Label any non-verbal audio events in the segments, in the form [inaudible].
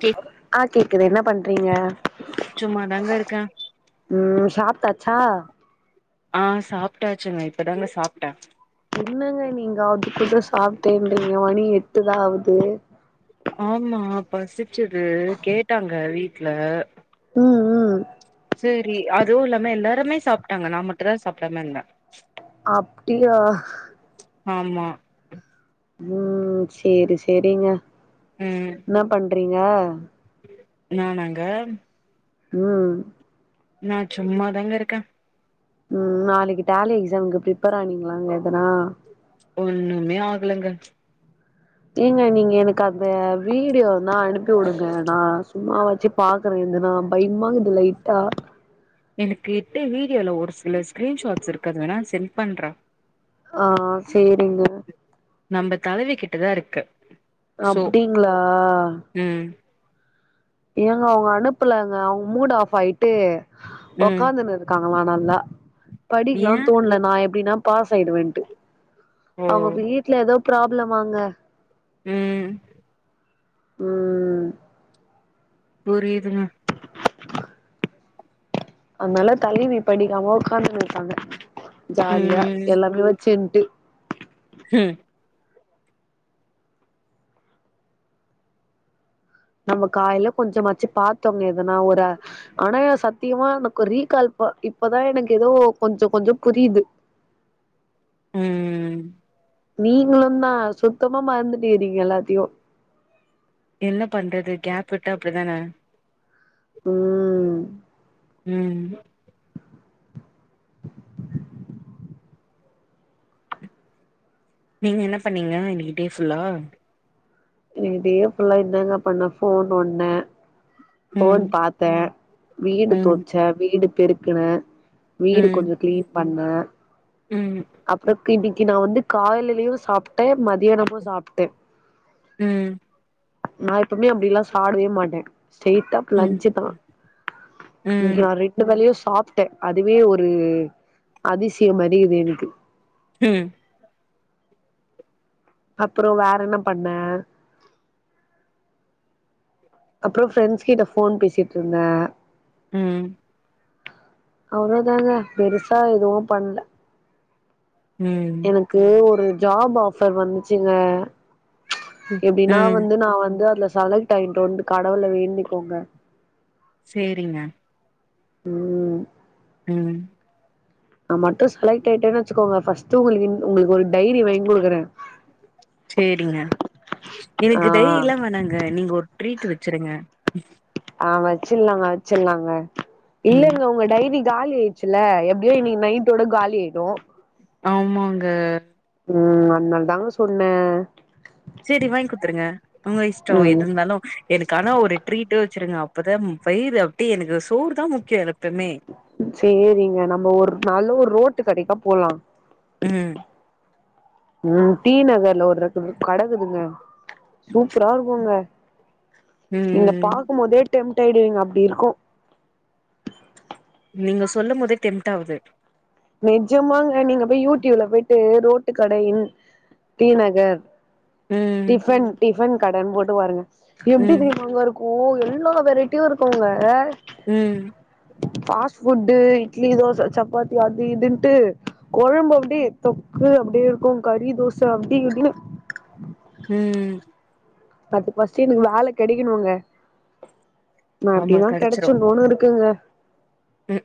K ஆ கேக்குது என்ன பண்றீங்க சும்மாதாங்க இருக்க ம் சாப்டாச்சா ஆ சாப்டாச்சுங்க இப்பதாங்க சாப்ட்ட என்னங்க நீங்க அதுக்குள்ள சாப்டேன்றீங்க மணி எட்டுதா ஆகுது ஆமா பசிச்சது கேட்டாங்க வீட்ல ம் ம் சரி அதுவு இல்லாம எல்லாருமே சாப்டாங்க நா மட்டு தா சாப்டாம இருந்த அப்டியா ஆமா ம் சேரி சேரிங்க ம் என்ன பண்றீங்க நானாங்க ம் நா சும்மாதாங்க இருக்க ம் நாளைக்கு டேலி எக்ஸாமுக்கு ப்ரிப்பேர் ஆனிங்களானு எதனா ஒன்னுமே ஆகலங்க ஏங்க நீங்க எனக்கு அந்த வீடியோ இருந்தா அனுப்பி வுடுங்க நா சும்மா வாச்சு பாக்குற எதுனா பயமா இக்குது லைட்டா எனக்கு எட்டு வீடியோல ஒரு சில ஸ்க்ரீன் ஷாட்ஸ் இருக்கு அது வேணா சென்ட் பண்ற ஆ சேரிங்க நம்ப தலைவிகிட்டதா இருக்கு சோ அப்டிங்ளா ம் ஏங்க அவங்க அனுப்பலங்க அவங்க மூட் ஆஃப் ஆயிட்டு ம் ஒக்காந்துனு இருக் க்காங்களா நல்லா ஏ படிக்கலா தோணல நா எப்டினா பாஸ் ஆயிடுவேன்ட்டு ஓ அவங்க வீட்ல ஏதோ ப்ராப்ளமாங்க ம் ம் புரியுதுங்க அதனால தலைவி படிக்காம ஒக்காந்துன்னு இருக்காங்க ஜாலியா ம் எல்லாமே வச்சுன்டு ம் நம்ம காலைல கொஞ்சம்மாச்சு பாத்தோமே எதனா ஒரு ஆனா சத்தியமா எனக்கு ரீகால்பா இப்பதா எனக்கு ஏதோ கொஞ்ச கொஞ்ச புரியுது ம் நீங்களு தா சுத்தமா மறந்துட்டிங்க நீங்க எல்லாத்தயு என்ன பண்றது கேப் விட்ட அப்டிதான ம் ம் நீங்க என்ன பண்ணீங்க இன்னைக்கு டே ஃபுல்லா இன்னைக்கு டே ஃபுல்லா என்னங்க பண்ண ஃபோன் நோன்ன ம் ஃபோன் பாத்தே வீடு ம் தொடச்சே வீடு பெருக்குனே வீடு ம் கொஞ்சோ கிளீன் பண்ணே ம் அப்பறோ இன்னக்கி நா வந்து காலேலயு சாப்ட்டே மதியானமு சாப்ட்டே ம் நா எப்பவுமே அப்டில்லா சாப்டவே மாட்டே ஸ்ட்ரைட்டா ம் லஞ்சு தா இன்னிக்கி ம் நா ரெண் டு வேலயு சாப்ட்டே அதுவே ஒரு அதிசயம் மாரி இக்குது எனக்கு ம் அப்பறோ வேற என்ன பண்ண அப்பறோ ஃப்ரெண்ட்ஸ் கிட்ட ஃபோன் பேசிட்டு இருந்தே ம் அவ்ளோ தாங்க பெருசா எதுவு பண்ல ம் இது ஒரு ஜாப் ஆஃபர் வந்துச்சிங்க எப்டின்னா ம் வந்து நா வந்து அதுல செலக்ட் ஆகிடனுன்னு கடவுள வேண்டிங்கோங்க சேரிங்க ம் ம் நா மட்டு செலக்ட் ஆயிட்டேன்னு வச்சுக்கோங்க ஃபர்ஸ்ட் உங்களுக்கு இன் உங்களுக்கு ஒரு டைரி வாங்கி குடுக்குறே சேரிங்க ஆ எனக்கு டைரிலா வேணாங்க நீங்க ஒரு ட்ரீட் வச்சிருங்க ஆ வச்சிர்லாங்க வச்சிர்லாங்க ம் இல்லங்க உங்க டைரி காலி ஆயிடுச்சில்ல எப்டியோ இன்னக்கி நைட்டோட காலி ஆயிடு ஆமாங்க ம் அதுனால தாங்க சொன்னே சேரி வாங்கி குடுத்துருங்க உங்க இஷ்டோ எது ம் இருந்தாலு எனக்கு ஆனா ஒரு ட்ரீட் வச்சிருங்க அப்பதா வயிறு அப்டியே எனக்கு சோரு தா முக்கியோ எனக்கு எப்பமே சேரிங்க நம்ம ஒரு நாளு ஒரு ரோட்டு கடைக்கா போலா ம் ம் டீ நகர் ல ஒரு ரெண்டு மூனு கட இக்குதுங்க சூப்பரா இருக்குங்க நீங்க ம் பாக்கும் போதே டெம்ட் ஆய்டுவிங்க அப்டி இருக்கு நீங்க சொல்லும் போதே டெம்ட் ஆவுது நெஜமாங்க நீங்க போய் யூடியூப்ல போயிட்டு ரோட்டு கடையின் டீ நகர் ம் டிஃபன் டிஃபன் கடன்னு போட்டு பாருங்க எப்டி ம் தெரியுமாங்க இருக் ஓ எல்லா வெரைட்டியு இருக்குங்க ம் ஃபாஸ்ட் ஃபுட்டு இட்லி தோச சப்பாத்தி அது இதுன்ட்டு கொழம்பு அப்டியே தொக்கு அப்டி இருக்கு கறி தோச அப்டி இப்டின்னு ம் அதுக்கு ஃபர்ஸ்ட் எனக்கு வேலை கெடைக்கணுங்க நா ஆமா அப்டின்னா கெடச்சிரு கிடைச்சிட்ன்னு இருக்குங்க ம்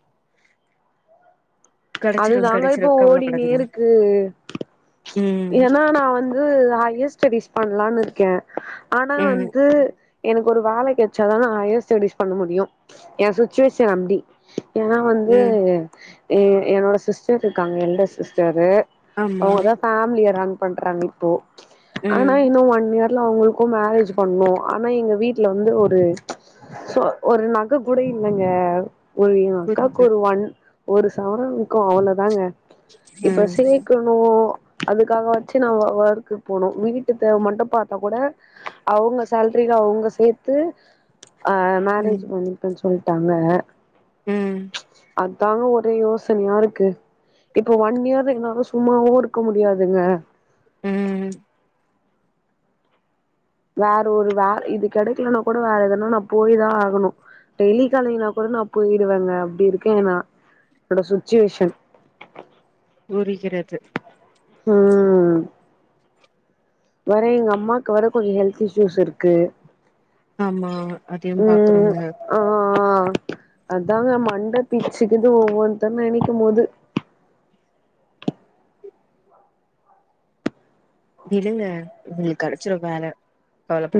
கெடைச்சிரு அதுதாங்க கெடைச்சிரு இப்போ ஓடினே கவலப்படாதீங்க ம் இல்லன்னா நா வந்து ஹையர் ஸ்டடிஸ் பண்ணலான்னு இருக்கே ஆனா ம் வந்து எனக்கு ஒரு வேல கெடச்சாதா நா ஹையர் ஸ்டடிஸ் பண்ண முடியு ஏ சுச்சுவேஷன் அப்டி ஏன்னா வந்து ம் என்னோட சிஸ்டர் இருக்காங்க எல்டர் சிஸ்டரு ஆமா அவங்கதா ஃபேமிலிய ரன் பண்றாங்க இப்போ ஆனா ம் இன்னு ஒன் இயர் ப்போ அவங்களுக்கு மேரேஜ் பண்ணு ஆனா எங்க வீட்ல வந்து ஒரு சோ ஒரு நகை கூட இல்லங்க ஒரு எங்க அக்காக்கு புரியுது ஒரு ஒண் ஒரு சவரன் இருக்கு அவ்வளோதாங்க இப்ப ம் சேத் இப்போ அதுக்காகவாச்சு நா வொ வொர்க்கு போனோ வீட்டு தேவ மட்டு பார்த்தா கூட அவங்க சேல்ரில அவங்க சேர்த்து அ மேரேஜ் ம் பண்ணிப்பேன்னு சொல்ட்டாங்க ம் அதாங்க ஒரே யோசனையா இருக்கு இப்ப ஒன் இயர் இர்ந்தாலு சும்மாவு இருக் இருக்க முடியாதுங்க ம் வேர் ஒரு வேற இது கிடைக்கலன்னா கூட வேற எதனா நா போயி தா ஆகணு டெய்லி காலைனா கூட நா போயிடுவங்க அப்டி இருக்கங்க நா என்னோட சுச்சுவேஷன் புரிகிறது ம் வேற எங்க அம்மாவுக்கு வேற கொஞ்ச ஹெல்த் இஷ்யூஸ் இருக்கு ஆமா அதையு ம் பாக்கண்ணுல ஆ அதாங்க மண்ட பீச்சுக்குது ஒவ்வொன்னுத்த நினைக்கும் போது விடுங்க உங்களுக்கு கெடைச்சிரு வேல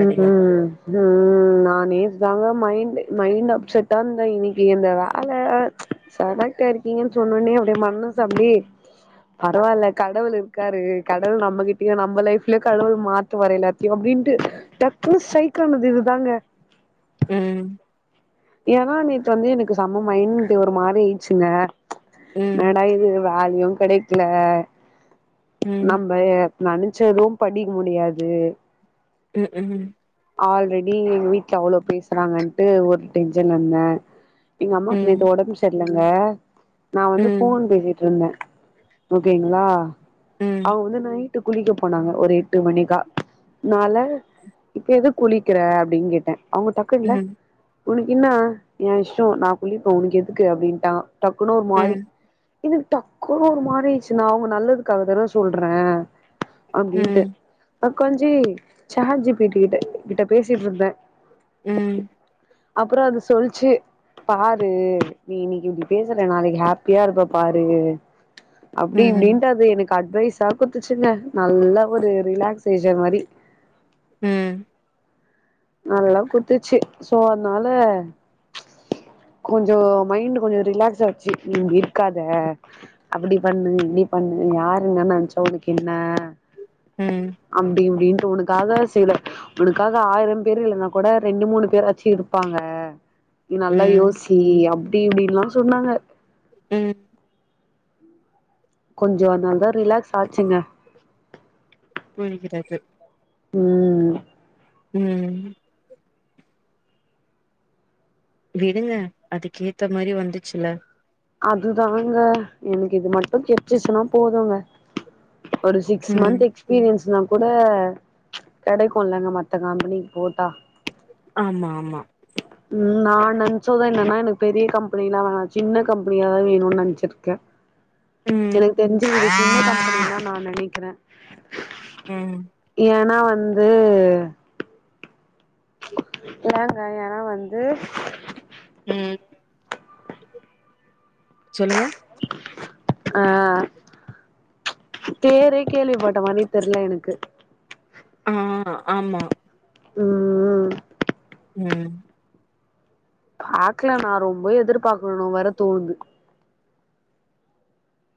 ம் ம் ம் நா நேத்து தாங்க மைண்ட் மைண்ட் அப்செட்டா இருந்த இனி நீ இந்த வேலை செலக்ட் ஆயிருக்கீங்கன்னு சொன்னோனே அப்டியே மனஸ் அப்டியே பரவால்ல கடவுள் இருக்காரு கடவுள் நம்மகிட்டயு நம்ம லைஃப்லயு கடவுள் மா த்துவார் எல்லாத்தயு அப்டின்ட்டு டக்குன்னு ஸ்ட்ரைக் ஆனது இதுதாங்க ம் ஏன்னா நேத்து வந்து எனக்கு செம்ம மயன்ட்டு ஒரு மாரி ஆயின்ச்சுங்க ம் என்னடா இது வேலயு கிடைக்கல ம் நம்ம நினைச்சதவு படிக்க முடியாது ம் ம் ஆல்ரெடி எங்க வீடல அவ்ளோ பேசுறாங்கன்ட்டு ஒரு டென்ஷன்ல இருந்த எங்க அம்மாக்கு ம் நேத்து உடம்பு சரியலங்க நா வந்து ம் போன் பேசிட்டு இருந்த ஓகேங்களா ம் அவங்க வந்து நைட் ட்டு குளிக்க போனாங்க ஒரு எட்டு மணிக்கா நால இப்ப எதுக்கு குளிக்கிற அப்டின்னு கேட்ட அவங்க டக்குனுல்ல ம் உனக்கு இன்ன ஏ இஷ்ட நா குள்ளிப்ப உனக்கு எதுக்கு அப்டின்ட்டா டக்குன்னு ஒரு மாரி ம் எனக்கு டக்குன்னு ஒரு மாதிரிச்சு நா அவங்க நல்லதுக்காக தான சொல்ற அப்டின்ட்டு ம் ஒகஞ்சி செட் ஜி பீ டி கிட்ட கிட்ட பேசிட்டு இருந்த ம் அப்பற அது சொல்லிச்சு பாரு நீ இன்னிக்கு இப்டி பேசுற நாளைக்கு ஹாப்பியா இருப்ப பாரு அப்டி இப்டின்ட்டு அது எனக்கு அட்வைஸா குத்துச்சுங்க நல்ல ஒரு ரிலாக்சேஷன் மாரி ம் நல்லா குடுத்துச்சு சோ அதனால கொஞ்ச மைண்ட் கொஞ்ச ரிலாக்ஸ் ஆச்சு நீ இங்க இருக்காத அப்டி பண்ணு இப்டி பண்ணு யாரு என்னா நினச்ச உனக்கு என்ன ம் அப்டி அப்டின்ட்டு உனக்காக சில உனக்காக ஆயிரம் பேர் இல்லனா கூட ரெண்டு மூணு பேராச்சி இருப்பாங்க நீ நல்லா யோ ம் சி அப்டி இப்டின்ல்லா சொன்னாங்க ம் கொஞ்சோ அதுனால தா ரிலாக்ஸ் ஆச்சுங்க புரிகிறது ம் ம் விடுங்க அதுக்கேத்த மாரி வந்துச்சுல அதுதாங்க எனக்கு இது மட்டு கெச்சிச்சுன்னா போதுங்க ஒரு சிக்ஸ் ம் மந்த் எக்ஸ் பிரியன்ஸ்னா கூட கெடைக்குல்லங்க மத்த கம்பெனிக்கு போட்டா ஆமா ஆமா ம் நா நெனச்சோதா என்னன்னா எனக்கு பெரிய கம்பெனிலா வேணா சின்ன கம்பெனியாதா வேணு நெனச்சிர்க்க [inaudible] ம் எனக்கு தெரிஞ்சி இது சின்ன கம்பெனின்தா நா நனைக்கிற ம் ஏனா வந்து ஏங்க ஏனா வந்து ம் சொல்லுங்க ஆ பேரே கேள்விபட்ட மாரி தெர்ல எனக்கு ஆ ஆமா ம் ம் ம் பாக்கலா நா ரொம்ப எதிர்பாக்குறணோ வேற தோணுது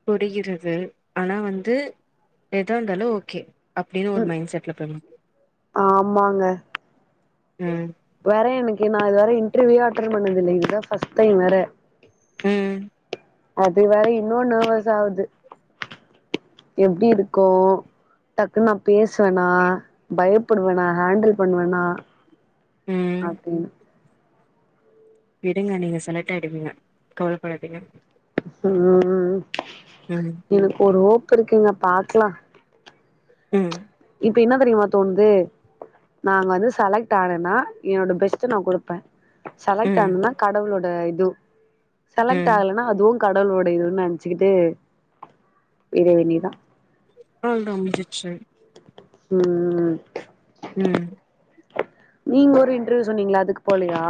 புரிகிறது ஆனா வந்து எதா இருந்தாலு ஓகே அப்டின்னு ஒரு ம் மைண்ட் செட்ல [unintelligible] ஆமாங்க ம் வேற எனக்கு நா இதுவர இன்டர்வியே அட்டன் பண்ணது இல்ல இது தா ஃபர்ஸ்ட் டைம் வேற ம் அது வேற இன்னு நெவர்ஸ் ஆவுது எப்டி இருக்கோ டக்குன் நா பேசுவனா பயப்படுவனா ஹேண்டில் பண்ணுவன்னா ம் அப்டினு விடுங்க நீங்க செலக்ட்டாயிடுவீங்க கவல படாதிங்க ம் ம் ம் ம் எனக்கு ஒரு ஹோப் கெடைக்குங்க பாக்லா ம் இப்ப என்ன தெரியுமா தோண்து நா அங்க வந்து செலக்ட் ஆனன்னா என்னோட பெஸ்ட்ட நா குடுப்ப செலக்ட் ம் ஆனனா கடவுளோட இது செலக்ட் ம் ஆகலனா அதுவு கடவுளோட இதுன் நெனச்சிக்கிட்டு விட வேண்டிதா அவ் தா முடிஞ்சுருச்சு ம் ம் ம் ம் நீங்க ஒரு இன்டர்வ்யூ சொன்னீங்ளே அதுக்கு போலயா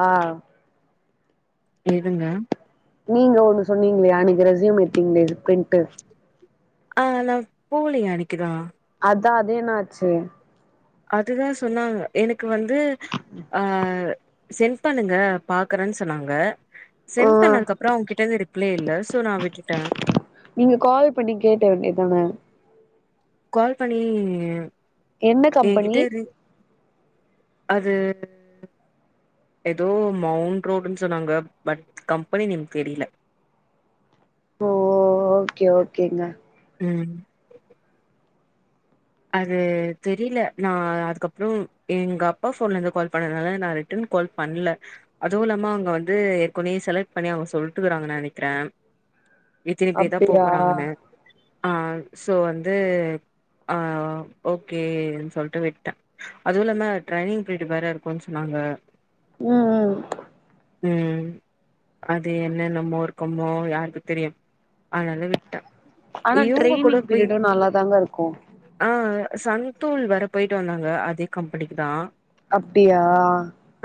எதுங்க நீங்க ஒன்னு சொன்னீங்ளே அன்னைக்கு ரெஸ்யூம் எடுத்தீங்ளே ப்ரிண்ட்டு ஆ நா போலயே அன்னைக்குதா அதா அது என்னாச்சு அதுதா சொன்னாங்க எனக்கு வந்து ஆ சென்ட் பண்ணுங்க பாக்கறன் சொன்னாங்க ஆ சென்ட் பண்ணதுக்கப்றோ அவ்ங்கிட்டர்ந்து ரிப் ளே இல்ல சோ நா விட்டுட்டே நீங்க கால் பண்ணி கேக்க வேண்டியதான கால் பண்ணி என்ன கம்பெனி எங்கிட்ட ரி அது எதோ மௌண்ட் ரோடுன் சொன்னாங்க பட் கம்பெனி நேம் தெரில ஓ ஓகே ஓகேங்க ம் அது தெரில நா அதுக்கப்றோ எங்கப்பா ஃபோன்லர்ந்து கால் பண்ணனால நா ரி ட்டன் கால் பண்ல அதுவு இல்லாம அவ்ங்க வந்து ஏற்கொனயே செலக்ட் பண்ணி அவுங்க சொல்ட்டுக்கறாங்கன் நெனைக்றே இத்தினி பேர் தா போ அப்டியா போறாங்கனு ஆ சோ வந்து ஆ ஓகேன் சொல்ட்டு விட்டே அது இல்லாம ட்ரைனிங் பீரியட் வேற இருக்குன் சொன்னாங்க ம் ம் ம் அது என்னென்னமோ இருக்குமோ யாருக்கு தெரியும் அதுனால விட்டே ஆனா ட்ரெய்னிங் பீரியடு நல்லாதாங்க இருக்கு ஆ சன்தூள் வேற போய்ட்டு வந்தாங்க அதே கம்பெனிக்கு தா அப்டியா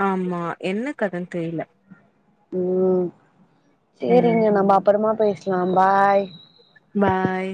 ஆமா என்ன கதன் தெரீல ம் ம் சேரிங்க நம்ம அப்பறமா பேஸ்லா பாய் பாய்